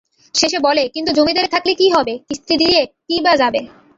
শেষে বলে, কিন্তু জমিদারি থাকলে কি হবে, কিস্তি দিযে কীইবা থাকে?